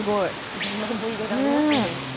いろんな思い出がありますね。